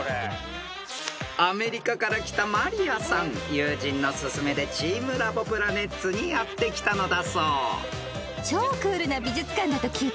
［友人のすすめでチームラボプラネッツにやって来たのだそう］